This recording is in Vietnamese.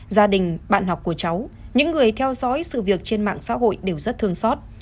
gia đình bạn học của cháu những người theo dõi sự việc trên mạng xã hội đều rất thương xót